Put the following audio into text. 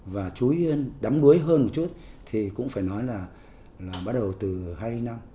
và chú ý đắm lưới hơn một chút thì cũng phải nói là bắt đầu từ hai mươi năm